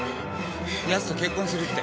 ヤツと結婚するって？